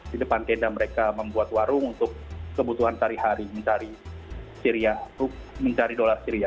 di depan tenda mereka membuat warung untuk kebutuhan sehari hari mencari syria mencari dolar syria